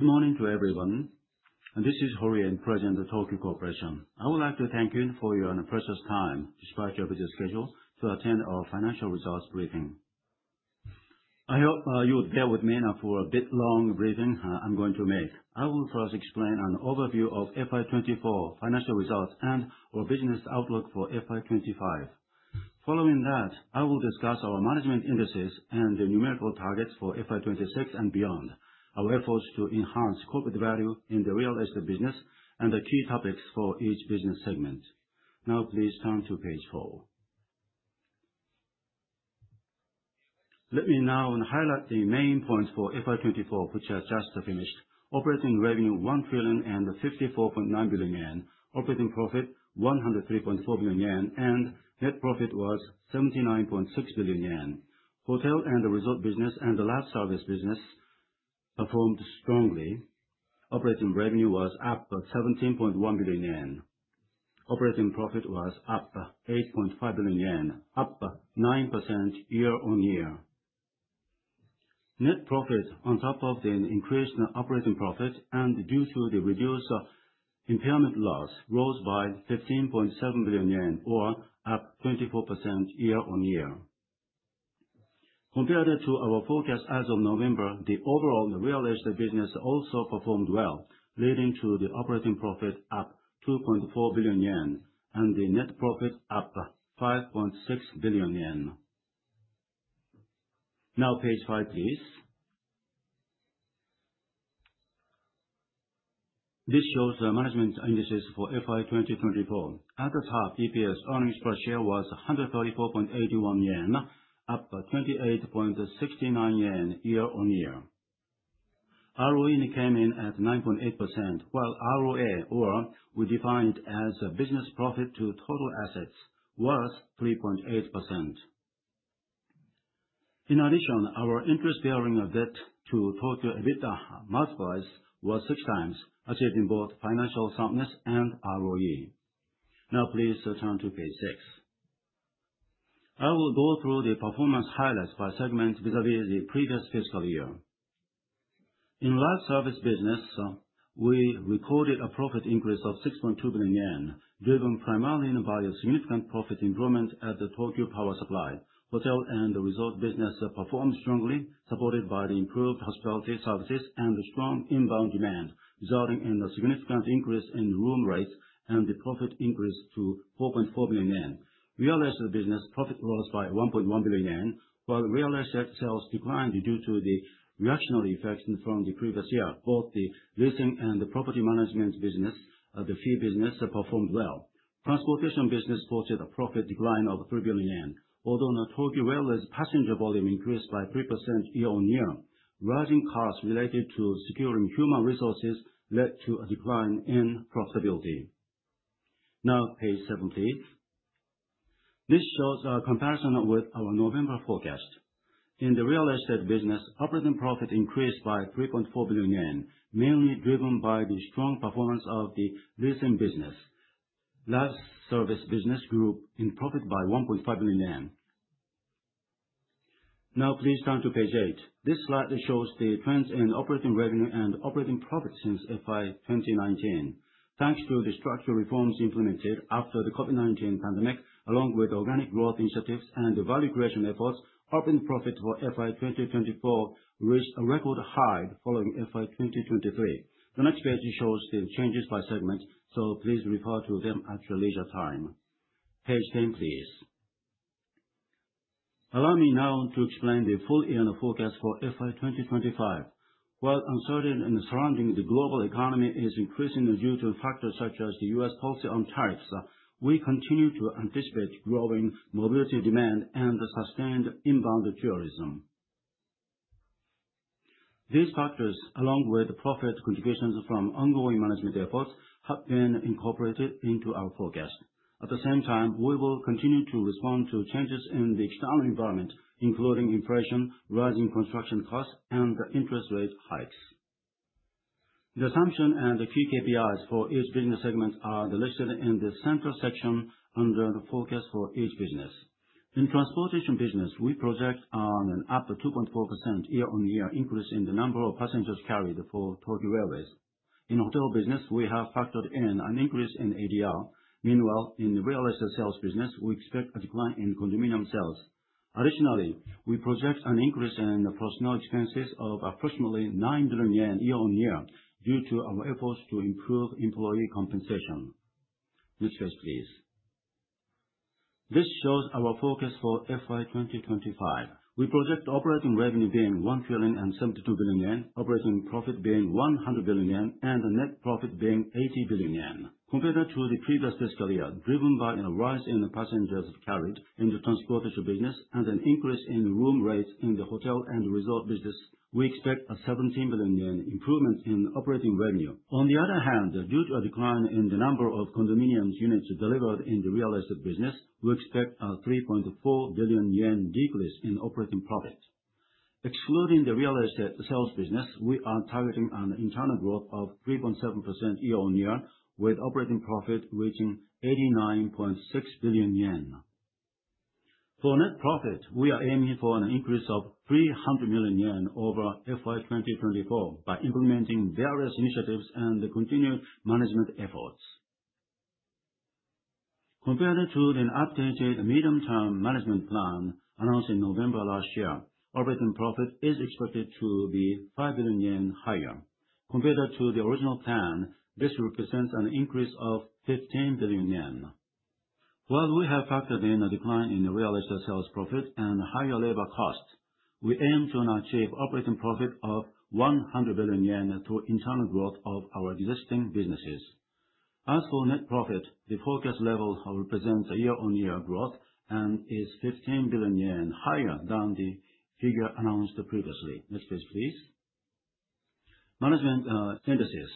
Good morning to everyone. This is Hori, President of Tokyu Corporation. I would like to thank you for your precious time, despite your busy schedule, to attend our financial results briefing. I hope you will bear with me now for a bit long briefing I'm going to make. I will first explain an overview of FY 2024 financial results and our business outlook for FY 2025. Following that, I will discuss our management indices and the numerical targets for FY 2026 and beyond, our efforts to enhance corporate value in the real estate business, and the key topics for each business segment. Now please turn to page four. Let me now highlight the main points for FY 2024, which has just finished. Operating revenue, 1,054.9 billion yen. Operating profit, 103.4 billion yen, and net profit was 79.6 billion yen. Hotel and the resort business, and the life service business performed strongly. Operating revenue was up 17.1 billion yen. Operating profit was up 8.5 billion yen, up 9% year-over-year. Net profit, on top of the increased operating profit and due to the reduced impairment loss, rose by 15.7 billion yen or up 24% year-over-year. Compared to our forecast as of November, the overall real estate business also performed well, leading to the operating profit up 2.4 billion yen, and the net profit up 5.6 billion yen. Now, page five, please. This shows the management indices for FY 2024. At the top, EPS, earnings per share, was 134.81 yen, up 28.69 yen year-over-year. ROE came in at 9.8%, while ROA, or we define it as business profit to total assets, was 3.8%. In addition, our interest bearing of debt to Tokyu EBITDA multiples was six times, achieving both financial soundness and ROE. Now please turn to page six. I will go through the performance highlights by segment vis-à-vis the previous fiscal year. In life service business, we recorded a profit increase of 6.2 billion yen, driven primarily by a significant profit improvement at the Tokyu Power Supply. Hotel and resort business performed strongly, supported by the improved hospitality services and the strong inbound demand, resulting in a significant increase in room rates and the profit increase to 4.4 billion yen. Real estate business profit rose by 1.1 billion yen, while real estate sales declined due to the reactionary effects from the previous year. Both the leasing and the property management business, the fee business, performed well. Transportation business posted a profit decline of 3 billion yen. Although the Tokyu railways passenger volume increased by 3% year-over-year, rising costs related to securing human resources led to a decline in profitability. Now, page seven, please. This shows a comparison with our November forecast. In the real estate business, operating profit increased by 3.4 billion yen, mainly driven by the strong performance of the leasing business. Life service business grew in profit by 1.5 billion yen. Now please turn to page eight. This slide shows the trends in operating revenue and operating profit since FY 2019. Thanks to the structural reforms implemented after the COVID-19 pandemic, along with organic growth initiatives and the value creation efforts, operating profit for FY 2024 reached a record high following FY 2023. The next page shows the changes by segment, so please refer to them at your leisure time. Page 10, please. Allow me now to explain the full year forecast for FY 2025. While uncertainty surrounding the global economy is increasing due to factors such as the US policy on types, we continue to anticipate growing mobility demand and the sustained inbound tourism. These factors, along with profit contributions from ongoing management efforts, have been incorporated into our forecast. At the same time, we will continue to respond to changes in the external environment, including inflation, rising construction costs, and interest rate hikes. The assumption and the key KPIs for each business segment are listed in the center section under the forecast for each business. In transportation business, we project an up 2.4% year-on-year increase in the number of passengers carried for Tokyu Railways. In hotel business, we have factored in an increase in ADR. Meanwhile, in the real estate sales business, we expect a decline in condominium sales. Additionally, we project an increase in personnel expenses of approximately 9 billion yen year-on-year due to our efforts to improve employee compensation. Next page, please. This shows our forecast for FY 2025. We project operating revenue being 1.072 trillion, operating profit being 100 billion yen, and the net profit being 80 billion yen. Compared to the previous fiscal year, driven by a rise in the passengers carried in the transportation business and an increase in room rates in the hotel and resort business, we expect a 17 billion yen improvement in operating revenue. On the other hand, due to a decline in the number of condominiums units delivered in the real estate business, we expect a 3.4 billion yen decrease in operating profit. Excluding the real estate sales business, we are targeting an internal growth of 3.7% year-on-year, with operating profit reaching 89.6 billion yen. For net profit, we are aiming for an increase of 300 million yen over FY 2024 by implementing various initiatives and continued management efforts. Compared to the updated medium-term management plan announced in November last year, operating profit is expected to be 5 billion yen higher. Compared to the original plan, this represents an increase of 15 billion yen. While we have factored in a decline in real estate sales profit and higher labor costs, we aim to achieve operating profit of 100 billion yen through internal growth of our existing businesses. As for net profit, the forecast level represents a year-on-year growth and is 15 billion yen higher than the figure announced previously. Next page, please. Management indices.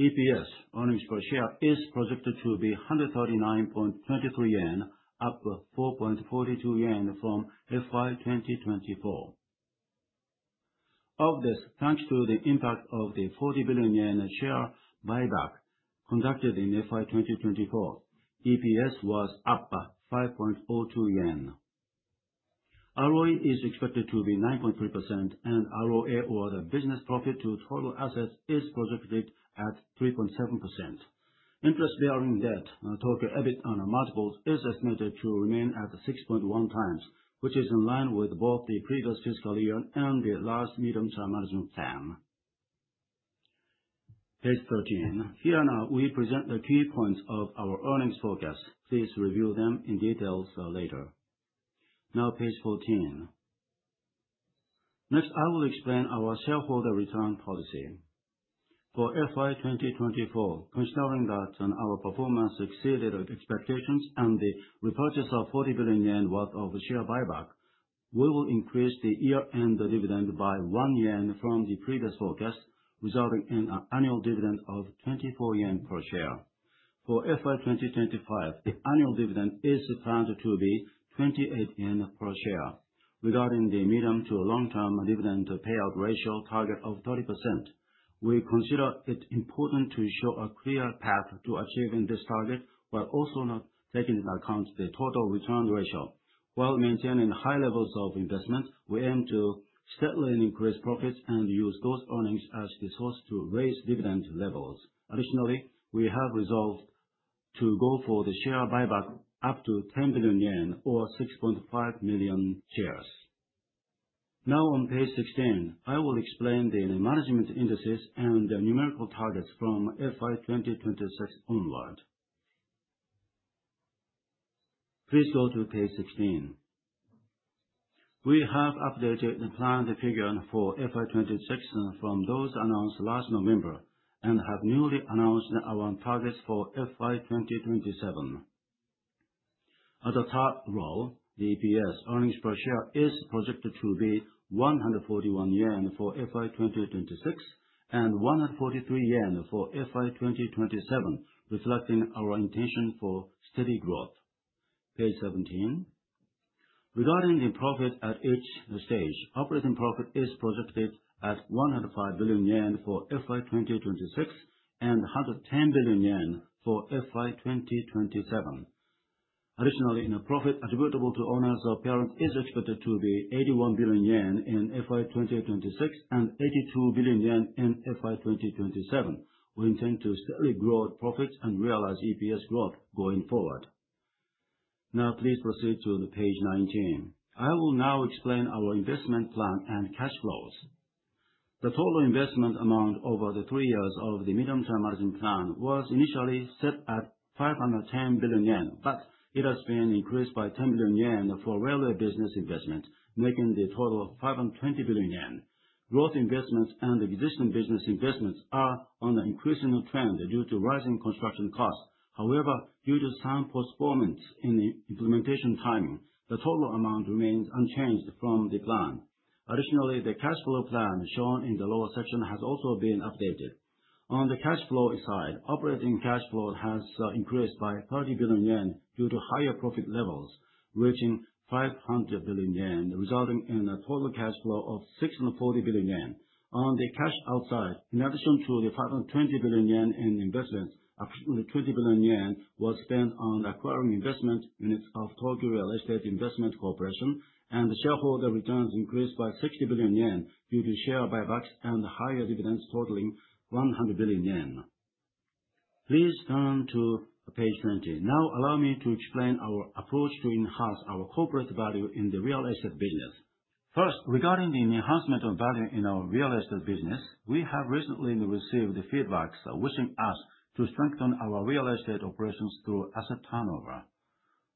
EPS, earnings per share, is projected to be 139.23 yen, up 4.42 yen from FY 2024. Of this, thanks to the impact of the 40 billion yen share buyback conducted in FY 2024, EPS was up 5.42 yen. ROE is expected to be 9.3%, and ROA, or the business profit to total assets, is projected at 3.7%. Interest-bearing debt, Tokyu EBIT multiple, is estimated to remain at 6.1 times, which is in line with both the previous fiscal year and the last medium-term management plan. Page 13. Here now we present the key points of our earnings forecast. Please review them in detail later. Now page 14. Next, I will explain our shareholder return policy. For FY 2024, considering that our performance exceeded expectations and the repurchase of 40 billion yen worth of share buyback, we will increase the year-end dividend by 1 yen from the previous forecast, resulting in an annual dividend of 24 yen per share. For FY 2025, the annual dividend is planned to be 28 yen per share. Regarding the medium to long-term dividend payout ratio target of 30%, we consider it important to show a clear path to achieving this target while also taking into account the total return ratio. While maintaining high levels of investment, we aim to steadily increase profits and use those earnings as the source to raise dividend levels. Additionally, we have resolved to go for the share buyback up to 10 billion yen or 6.5 million shares. On page 16, I will explain the management indices and the numerical targets from FY 2026 onward. Please go to page 16. We have updated the planned figure for FY 2026 from those announced last November and have newly announced our targets for FY 2027. At the top row, the EPS, earnings per share, is projected to be 141 yen for FY 2026 and 143 yen for FY 2027, reflecting our intention for steady growth. Page 17. Regarding the profit at each stage, operating profit is projected at 105 billion yen for FY 2026 and 110 billion yen for FY 2027. Additionally, net profit attributable to owners of parent is expected to be 81 billion yen in FY 2026 and 82 billion yen in FY 2027. We intend to steadily grow profits and realize EPS growth going forward. Please proceed to page 19. I will now explain our investment plan and cash flows. The total investment amount over the three years of the medium-term management plan was initially set at 510 billion yen, but it has been increased by 10 billion yen for railway business investment, making the total 520 billion yen. Growth investments and existing business investments are on an increasing trend due to rising construction costs. However, due to some postponements in the implementation timing, the total amount remains unchanged from the plan. Additionally, the cash flow plan shown in the lower section has also been updated. On the cash flow side, operating cash flow has increased by 30 billion yen due to higher profit levels, reaching 500 billion yen, resulting in a total cash flow of 640 billion yen. On the cash out side, in addition to the 520 billion yen in investments, 20 billion yen was spent on acquiring investment units of Tokyu REIT, Inc., and shareholder returns increased by 60 billion yen due to share buybacks and higher dividends totaling 100 billion yen. Please turn to page 20. Allow me to explain our approach to enhance our corporate value in the real estate business. First, regarding the enhancement of value in our real estate business, we have recently received feedbacks wishing us to strengthen our real estate operations through asset turnover.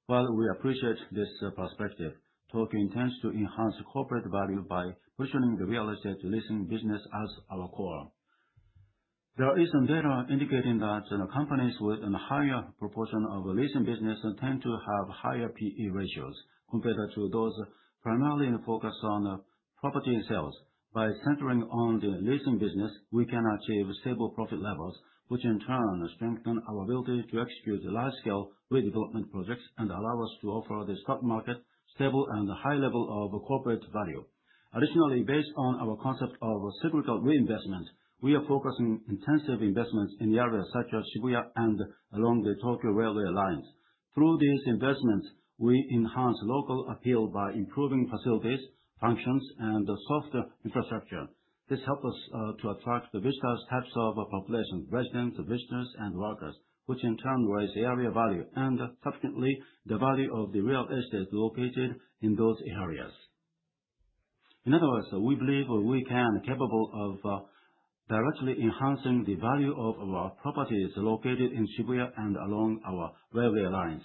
While we appreciate this perspective, Tokyu intends to enhance corporate value by positioning the real estate leasing business as our core. There is some data indicating that companies with a higher proportion of leasing business tend to have higher P/E ratios compared to those primarily focused on property sales. By centering on the leasing business, we can achieve stable profit levels, which in turn strengthen our ability to execute large-scale redevelopment projects and allow us to offer the stock market stable and high level of corporate value. Additionally, based on our concept of cyclical reinvestment, we are focusing intensive investments in the areas such as Shibuya and along the Tokyu railway lines. Through these investments, we enhance local appeal by improving facilities, functions, and the software infrastructure. This helps us to attract the widest types of population, residents, visitors, and workers, which in turn raise the area value and subsequently the value of the real estates located in those areas. In other words, we believe we are capable of directly enhancing the value of our properties located in Shibuya and along our Tokyu railway lines.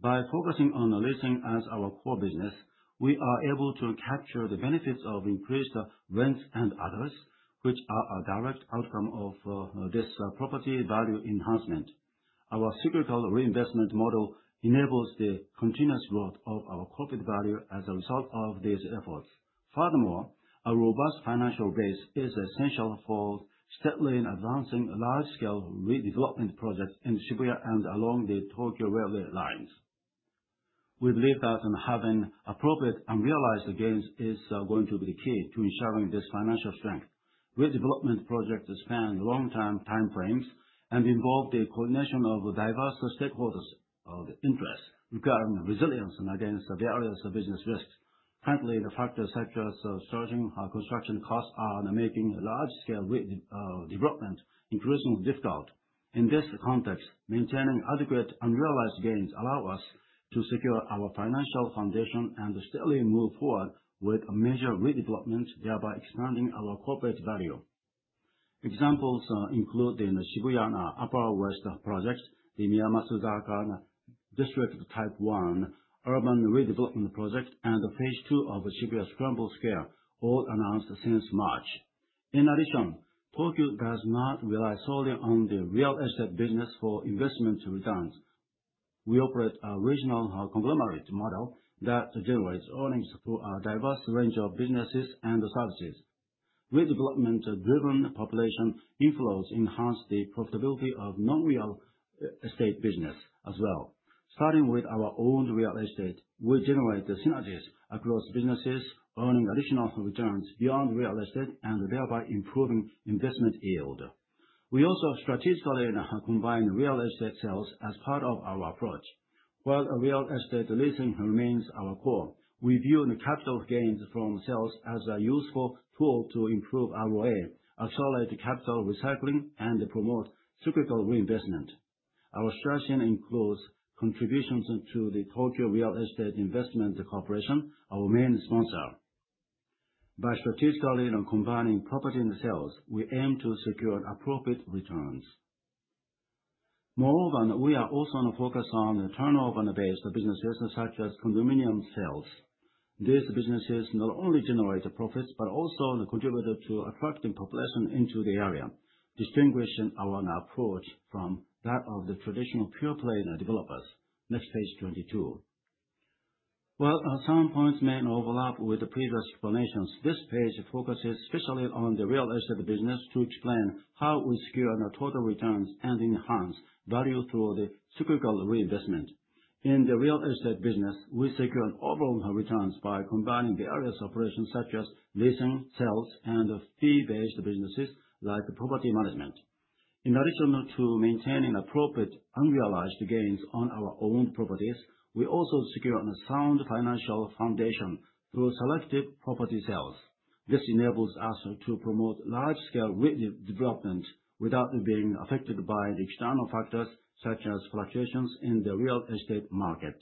By focusing on leasing as our core business, we are able to capture the benefits of increased rents and others, which are a direct outcome of this property value enhancement. Our cyclical reinvestment model enables the continuous growth of our corporate value as a result of these efforts. Furthermore, a robust financial base is essential for steadily advancing large-scale redevelopment projects in Shibuya and along the Tokyu railway lines. We believe that having appropriate unrealized gains are going to be the key to ensuring this financial strength. Redevelopment projects span long-term time frames and involve the coordination of diverse stakeholders of interests regarding resilience against various business risks. Currently, the factors such as surging construction costs are making large-scale redevelopment increasingly difficult. In this context, maintaining adequate unrealized gains allow us to secure our financial foundation and steadily move forward with major redevelopments, thereby expanding our corporate value. Examples include the Shibuya Upper West Project, the Miyamasuzaka District Type 1 Urban Redevelopment Project, and Phase 2 of Shibuya Scramble Square, all announced since March. In addition, Tokyu does not rely solely on the real estate business for investment returns. We operate a regional conglomerate model that generates earnings through a diverse range of businesses and services. Redevelopment-driven population inflows enhance the profitability of non-real estate business as well. Starting with our owned real estate, we generate synergies across businesses, earning additional returns beyond real estate and thereby improving investment yield. We also strategically combine real estate sales as part of our approach. While real estate leasing remains our core, we view capital gains from sales as a useful tool to improve ROE, accelerate capital recycling, and promote cyclical reinvestment. Our strategy includes contributions to the Tokyu Real Estate Investment Corporation, our main sponsor. By strategically combining property sales, we aim to secure appropriate returns. Moreover, we are also focused on turnover-based businesses such as condominium sales. These businesses not only generate profits but also contribute to attracting population into the area, distinguishing our approach from that of the traditional pure-play developers. Next page, 22. While some points may overlap with the previous explanations, this page focuses specifically on the real estate business to explain how we secure total returns and enhance value through the cyclical reinvestment. In the real estate business, we secure overall returns by combining various operations such as leasing, sales, and fee-based businesses like property management. In addition to maintaining appropriate unrealized gains on our owned properties, we also secure a sound financial foundation through selective property sales. This enables us to promote large-scale redevelopment without being affected by external factors such as fluctuations in the real estate market.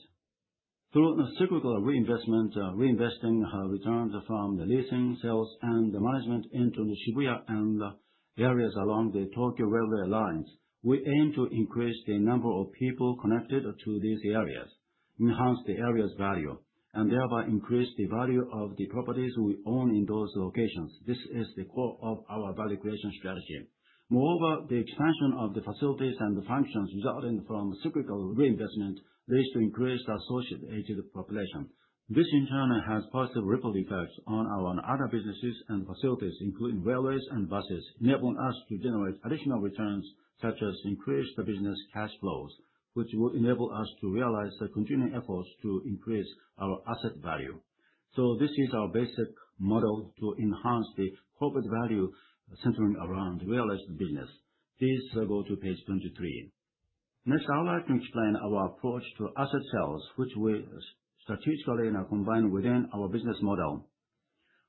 Through cyclical reinvestment, reinvesting returns from the leasing, sales, and management into the Shibuya and areas along the Tokyu railway lines, we aim to increase the number of people connected to these areas, enhance the area's value, and thereby increase the value of the properties we own in those locations. This is the core of our value creation strategy. Moreover, the expansion of the facilities and functions resulting from cyclical reinvestment leads to increased associated population. This in turn has positive ripple effects on our other businesses and facilities, including railways and buses, enabling us to generate additional returns such as increased business cash flows, which will enable us to realize the continued efforts to increase our asset value. This is our basic model to enhance the corporate value centering around real estate business. Please go to page 23. Next, I would like to explain our approach to asset sales, which we strategically combine within our business model.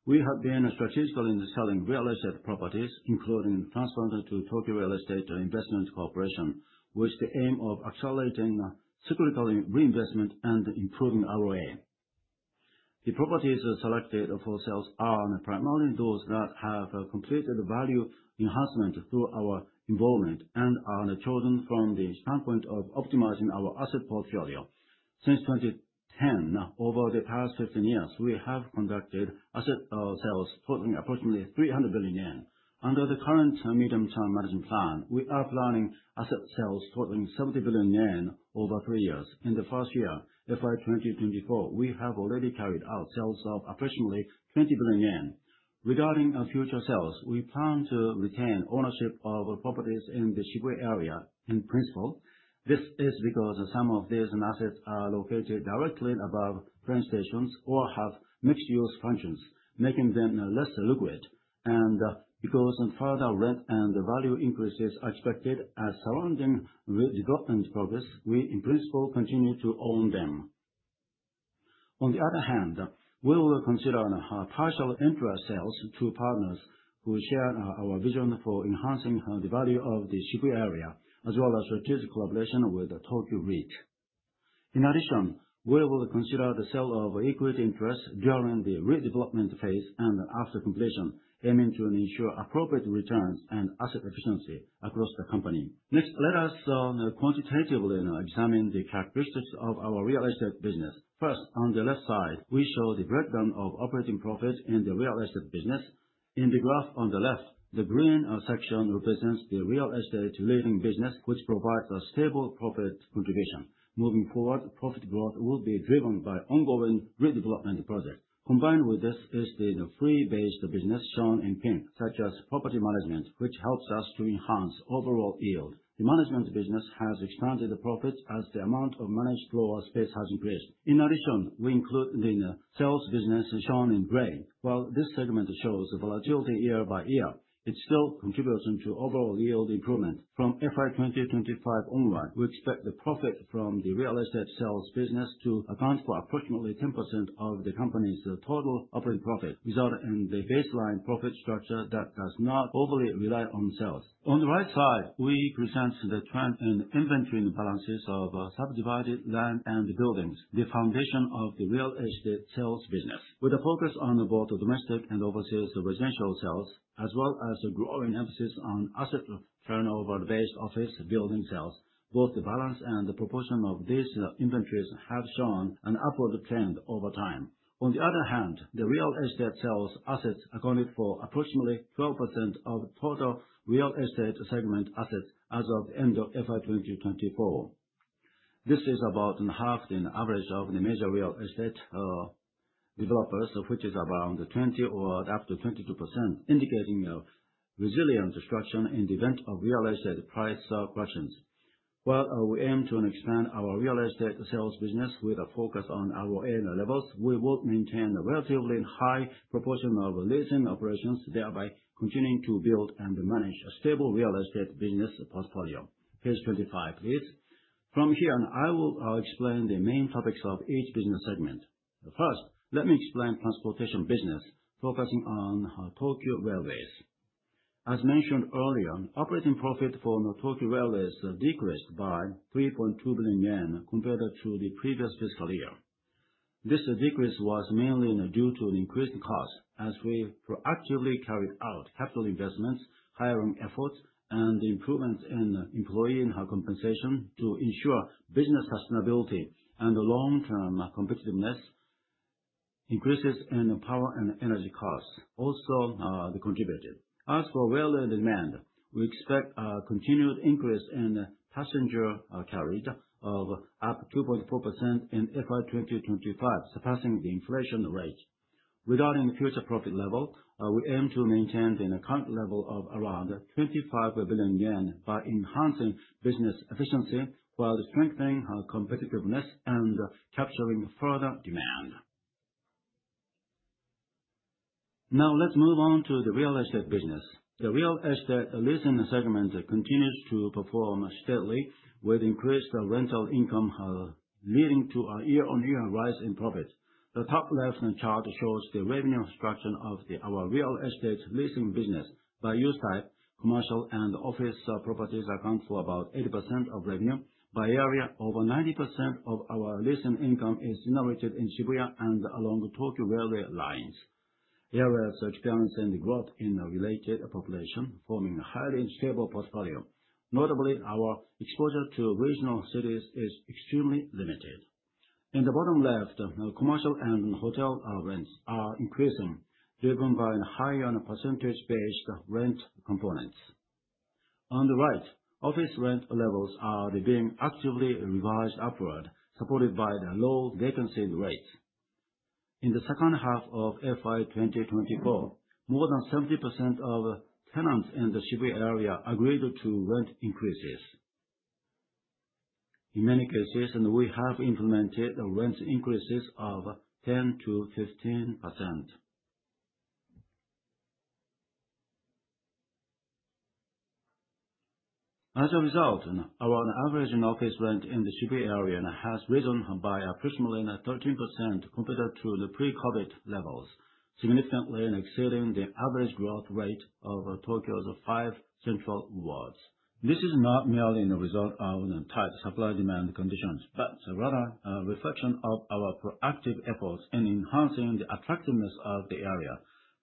We have been strategically selling real estate properties, including transfer to Tokyu Real Estate Investment Corporation, with the aim of accelerating cyclical reinvestment and improving ROE. The properties selected for sales are primarily those that have completed value enhancement through our involvement and are chosen from the standpoint of optimizing our asset portfolio. Since 2010, over the past 15 years, we have conducted asset sales totaling approximately 300 billion yen. Under the current Medium-Term Management Plan, we are planning asset sales totaling 70 billion yen over three years. In the first year, FY 2024, we have already carried out sales of approximately 20 billion yen. Regarding our future sales, we plan to retain ownership of properties in the Shibuya area in principle. This is because some of these assets are located directly above train stations or have mixed-use functions, making them less liquid. Because further rent and value increases are expected as surrounding redevelopment progress, we, in principle, continue to own them. On the other hand, we will consider partial interest sales to partners who share our vision for enhancing the value of the Shibuya area, as well as strategic collaboration with Tokyu REIT. In addition, we will consider the sale of equity interests during the redevelopment phase and after completion, aiming to ensure appropriate returns and asset efficiency across the company. Next, let us quantitatively examine the characteristics of our real estate business. First, on the left side, we show the breakdown of operating profits in the real estate business. In the graph on the left, the green section represents the real estate leasing business, which provides a stable profit contribution. Moving forward, profit growth will be driven by ongoing redevelopment projects. Combined with this is the fee-based business shown in pink, such as property management, which helps us to enhance overall yield. The management business has expanded profits as the amount of managed floor space has increased. In addition, we include the sales business shown in gray. While this segment shows volatility year by year, it still contributes to overall yield improvement. From FY 2025 onward, we expect the profit from the real estate sales business to account for approximately 10% of the company's total operating profit, resulting in the baseline profit structure that does not overly rely on sales. On the right side, we present the trend in inventory balances of subdivided land and buildings, the foundation of the real estate sales business. With a focus on both domestic and overseas residential sales, as well as a growing emphasis on asset turnover-based office building sales, both the balance and the proportion of these inventories have shown an upward trend over time. On the other hand, the real estate sales assets accounted for approximately 12% of total real estate segment assets as of end of FY 2024. This is about half the average of the major real estate developers, which is around 20% or up to 22%, indicating a resilient structure in the event of real estate price corrections. While we aim to expand our real estate sales business with a focus on ROE levels, we will maintain a relatively high proportion of leasing operations, thereby continuing to build and manage a stable real estate business portfolio. Page 25, please. From here, I will explain the main topics of each business segment. First, let me explain transportation business, focusing on Tokyu Railways. As mentioned earlier, operating profit for Tokyu Railways decreased by 3.2 billion yen compared to the previous fiscal year. This decrease was mainly due to increased costs as we proactively carried out capital investments, hiring efforts, and improvements in employee compensation to ensure business sustainability and long-term competitiveness. Increases in power and energy costs also contributed. As for railway demand, we expect a continued increase in passenger carriage of up 2.4% in FY 2025, surpassing the inflation rate. Regarding future profit level, we aim to maintain the current level of around 25 billion yen by enhancing business efficiency while strengthening our competitiveness and capturing further demand. Now, let's move on to the real estate business. The real estate leasing segment continues to perform steadily with increased rental income, leading to a year-on-year rise in profits. The top left chart shows the revenue structure of our real estate leasing business. By use type, commercial and office properties account for about 80% of revenue. By area, over 90% of our leasing income is generated in Shibuya and along Tokyu Railway lines. Areas experiencing growth in related population, forming a highly desirable portfolio. Notably, our exposure to regional cities is extremely limited. In the bottom left, commercial and hotel rents are increasing, driven by higher percentage-based rent components. On the right, office rent levels are being actively revised upward, supported by the low vacancy rate. In the second half of FY 2024, more than 70% of tenants in the Shibuya area agreed to rent increases. In many cases, we have implemented rent increases of 10%-15%. As a result, our average office rent in the Shibuya area has risen by approximately 13% compared to the pre-COVID-19 levels, significantly exceeding the average growth rate of Tokyo's five central wards. This is not merely the result of tight supply-demand conditions, but rather a reflection of our proactive efforts in enhancing the attractiveness of the area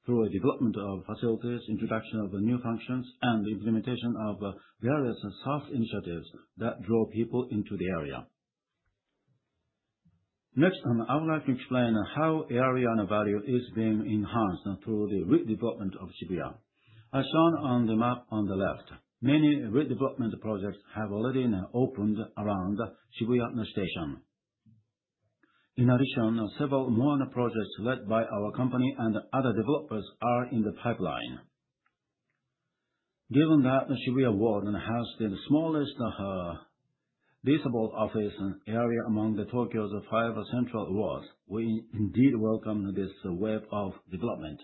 through a development of facilities, introduction of new functions, and the implementation of various SaaS initiatives that draw people into the area. Next, I would like to explain how area value is being enhanced through the redevelopment of Shibuya. As shown on the map on the left, many redevelopment projects have already opened around Shibuya Station. In addition, several more projects led by our company and other developers are in the pipeline. Given that the Shibuya Ward has the smallest leasable office area among Tokyo's five central wards, we indeed welcome this wave of development.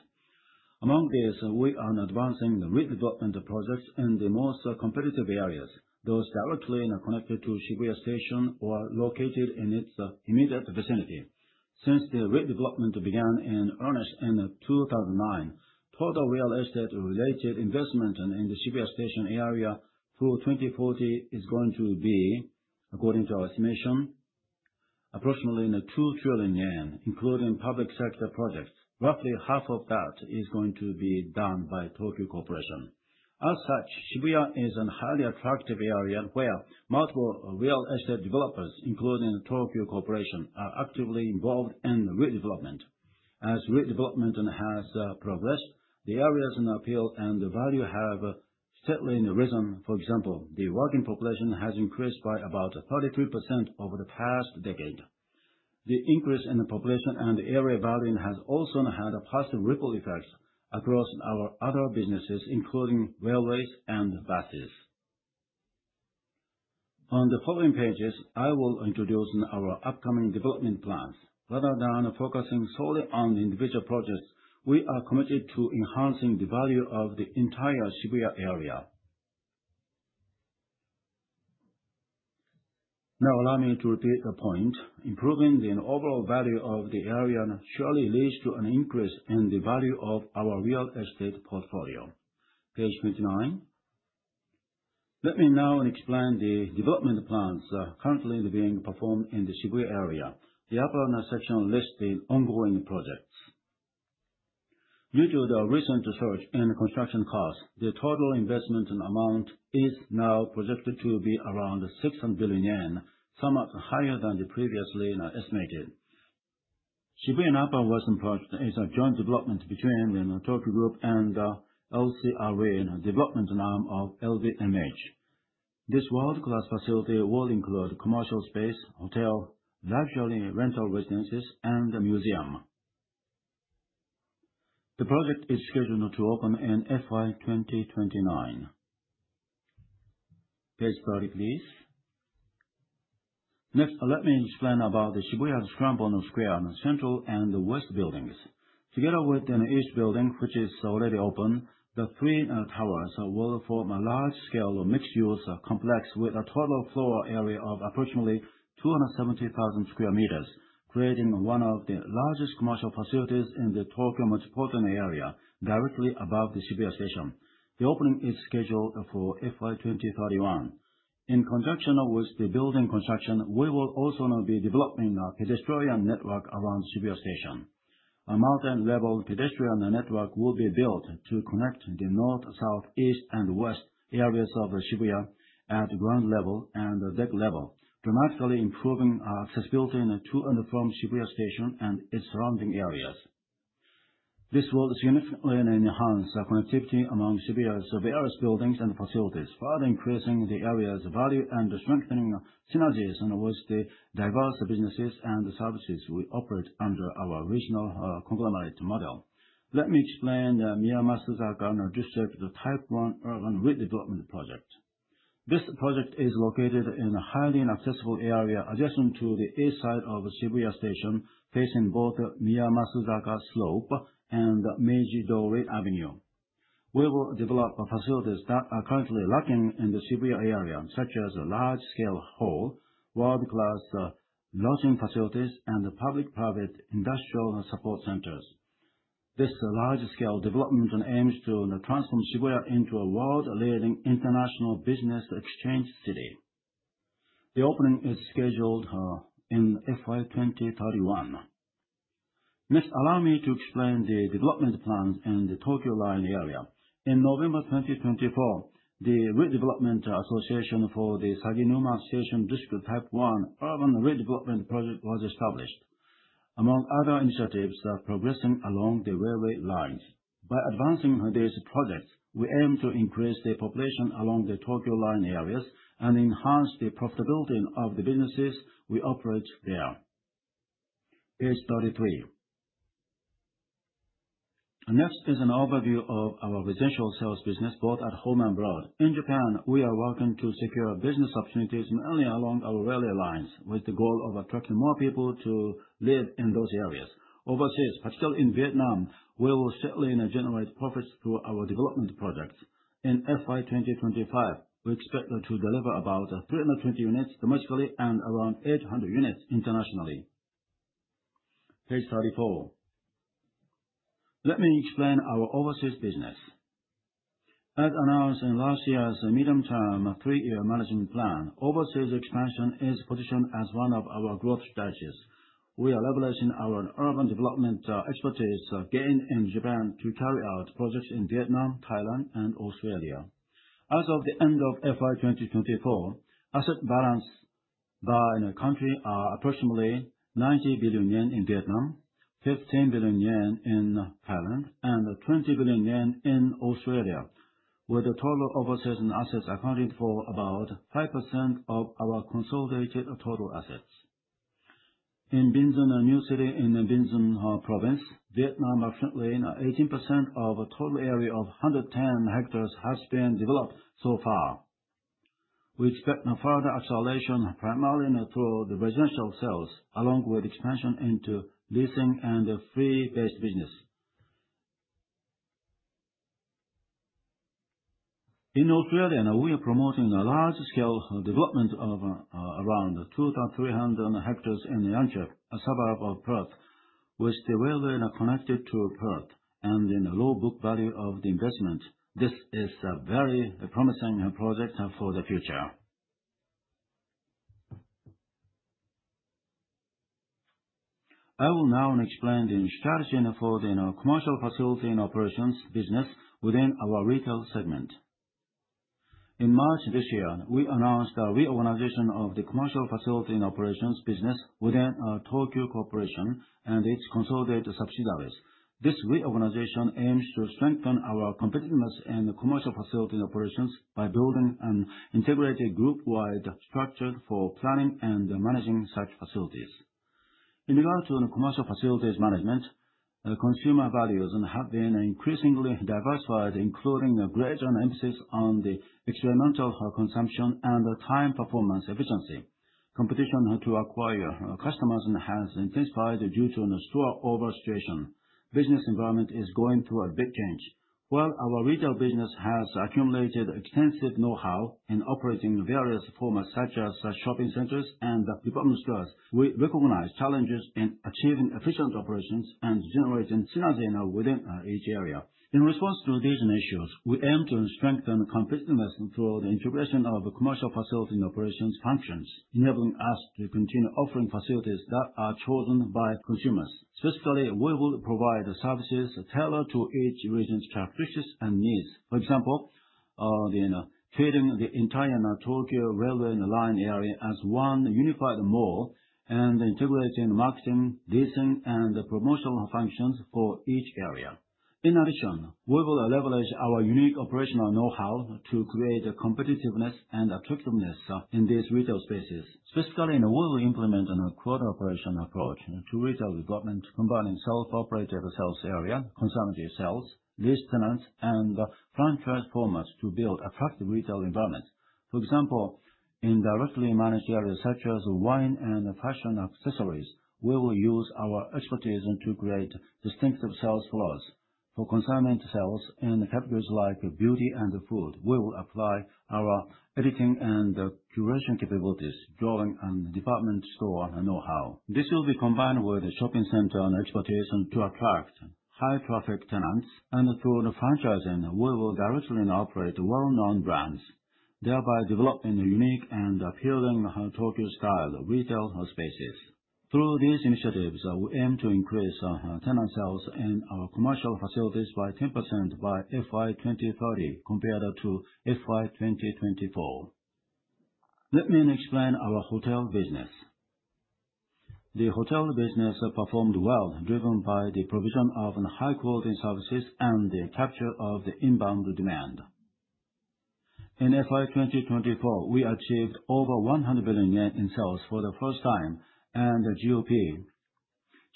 Among these, we are advancing the redevelopment projects in the most competitive areas, those directly connected to Shibuya Station or located in its immediate vicinity. Since the redevelopment began in earnest in 2009, total real estate-related investment in the Shibuya Station area through 2040 is going to be, according to our estimation, approximately 2 trillion yen, including public sector projects. Roughly half of that is going to be done by Tokyu Corporation. As such, Shibuya is a highly attractive area where multiple real estate developers, including Tokyu Corporation, are actively involved in redevelopment. As redevelopment has progressed, the area's appeal and value has steadily risen. For example, the working population has increased by about 33% over the past decade. The increase in population and area value has also had positive ripple effects across our other businesses, including railways and buses. On the following pages, I will introduce our upcoming development plans. Rather than focusing solely on individual projects, we are committed to enhancing the value of the entire Shibuya area. Allow me to repeat a point. Improving the overall value of the area surely leads to an increase in the value of our real estate portfolio. Page 29. Let me now explain the development plans currently being performed in the Shibuya area. The upper section lists the ongoing projects. Due to the recent surge in construction costs, the total investment amount is now projected to be around 600 billion yen, somewhat higher than previously estimated. Shibuya Upper West Project is a joint development between the Tokyu Group and LCRE, the development arm of LVMH. This world-class facility will include commercial space, hotel, luxury rental residences, and a museum. The project is scheduled to open in FY 2029. Page 30, please. Let me explain about the Shibuya Scramble Square Central and West Buildings. Together with the East Building, which is already open, the three towers will form a large-scale mixed-use complex with a total floor area of approximately 270,000 sq m, creating one of the largest commercial facilities in the Tokyo metropolitan area directly above the Shibuya Station. The opening is scheduled for FY 2031. In conjunction with the building construction, we will also be developing a pedestrian network around Shibuya Station. A multi-level pedestrian network will be built to connect the north, south, east, and west areas of Shibuya at ground level and deck level, dramatically improving accessibility to and from Shibuya Station and its surrounding areas. This will significantly enhance connectivity among Shibuya's various buildings and facilities, further increasing the area's value and strengthening synergies towards the diverse businesses and services we operate under our regional conglomerate model. Let me explain the Miyamasuzaka District Type 1 Urban Redevelopment Project. This project is located in a highly accessible area adjacent to the east side of Shibuya Station, facing both the Miyamasuzaka Slope and Meiji-dori Avenue. We will develop facilities that are currently lacking in the Shibuya area, such as a large-scale hall, world-class lodging facilities, and public-private industrial support centers. This large-scale development aims to transform Shibuya into a world-leading international business exchange city. The opening is scheduled in FY 2031. Allow me to explain the development plans in the Tokyu Line area. In November 2024, the Redevelopment Association for the Saginuma Station District Type 1 Urban Redevelopment Project was established, among other initiatives progressing along the railway lines. By advancing these projects, we aim to increase the population along the Tokyu Line areas and enhance the profitability of the businesses we operate there. Page 33. Next is an overview of our residential sales business, both at home and abroad. In Japan, we are working to secure business opportunities mainly along our railway lines, with the goal of attracting more people to live in those areas. Overseas, particularly in Vietnam, we will steadily generate profits through our development projects. In FY 2025, we expect to deliver about 320 units domestically and around 800 units internationally. Page 34. Let me explain our overseas business. As announced in last year's medium-term three-year management plan, overseas expansion is positioned as one of our growth strategies. We are leveraging our urban development expertise gained in Japan to carry out projects in Vietnam, Thailand, and Australia. As of the end of FY 2024, asset balance by country are approximately 90 billion yen in Vietnam, 15 billion yen in Thailand, and 20 billion yen in Australia. Where the total overseas assets accounted for about 5% of our consolidated total assets. In Binh Duong New City, in Binh Duong Province, Vietnam, currently 18% of total area of 110 hectares has been developed so far. We expect further acceleration, primarily through the residential sales along with expansion into leasing and free-based business. In Australia, we are promoting a large-scale development of around 2,300 hectares in Yanchep, a suburb of Perth, which the railway connected to Perth and in the low book value of the investment. This is a very promising project for the future. I will now explain the strategy for the commercial facility and operations business within our retail segment. In March this year, we announced a reorganization of the commercial facility and operations business within our Tokyu Corporation and its consolidated subsidiaries. This reorganization aims to strengthen our competitiveness in the commercial facility operations by building an integrated group-wide structure for planning and managing such facilities. In regards to the commercial facilities management, the consumer values have been increasingly diversified, including a greater emphasis on the experimental consumption and the time performance efficiency. Competition to acquire customers has intensified due to an oversupply situation. Business environment is going through a big change. While our retail business has accumulated extensive knowhow in operating various formats such as shopping centers and department stores, we recognize challenges in achieving efficient operations and generating synergy within each area. In response to these issues, we aim to strengthen competitiveness through the integration of commercial facility and operations functions, enabling us to continue offering facilities that are chosen by consumers. Specifically, we will provide services tailored to each region's characteristics and needs. For example, treating the entire Tokyu railway line area as one unified mall and integrating marketing, leasing, and the promotional functions for each area. In addition, we will leverage our unique operational knowhow to create competitiveness and attractiveness in these retail spaces. Specifically, we will implement a quad operation approach to retail development, combining self-operated sales area, consignment sales, lease tenants, and franchise formats to build attractive retail environment. For example, in directly managed areas such as wine and fashion accessories, we will use our expertise to create distinctive sales floors. For consignment sales in categories like beauty and food, we will apply our editing and curation capabilities, drawing on department store knowhow. This will be combined with a shopping center and operation to attract high-traffic tenants, and through the franchising, we will directly operate well-known brands, thereby developing a unique and appealing Tokyo-style retail spaces. Through these initiatives, we aim to increase tenant sales in our commercial facilities by 10% by FY 2030 compared to FY 2024. Let me explain our hotel business. The hotel business performed well, driven by the provision of high-quality services and the capture of the inbound demand. In FY 2024, we achieved over 100 billion yen in sales for the first time, and the GOP,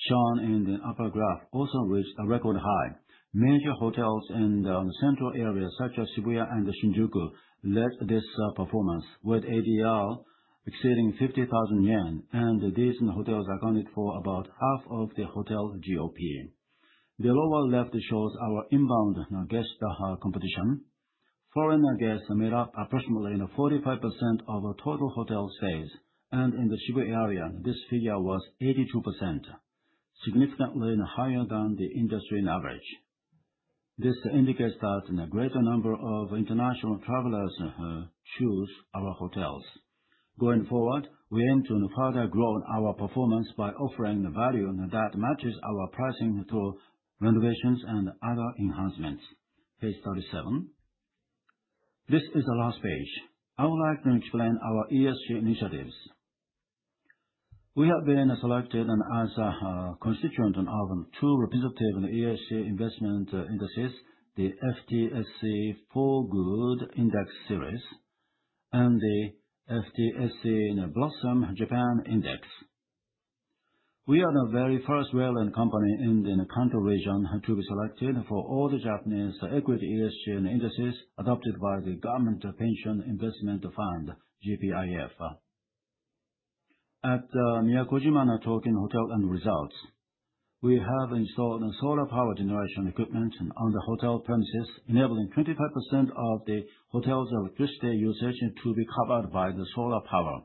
shown in the upper graph, also reached a record high. Major hotels in the central areas such as Shibuya and Shinjuku led this performance, with ADR exceeding 50,000 yen, and these hotels accounted for about half of the hotel GOP. The lower left shows our inbound guest composition. Foreign guests made up approximately 45% of total hotel stays, and in the Shibuya area, this figure was 82%, significantly higher than the industry average. This indicates that a greater number of international travelers choose our hotels. Going forward, we aim to further grow our performance by offering value that matches our pricing through renovations and other enhancements. Page 37. This is the last page. I would like to explain our ESG initiatives. We have been selected as a constituent of two representative ESG investment indices, the FTSE4Good Index Series and the FTSE Blossom Japan Index. We are the very first railway company in the Kanto region to be selected for all the Japanese equity ESG indices adopted by the Government Pension Investment Fund, GPIF. At Miyakojima Tokyu Hotel & Resorts, we have installed solar power generation equipment on the hotel premises, enabling 25% of the hotel's electricity usage to be covered by the solar power.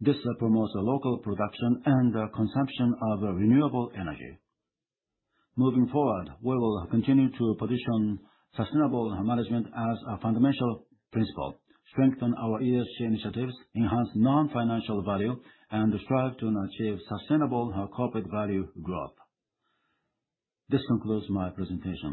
This promotes local production and consumption of renewable energy. Moving forward, we will continue to position sustainable management as a fundamental principle, strengthen our ESG initiatives, enhance non-financial value, and strive to achieve sustainable corporate value growth. This concludes my presentation.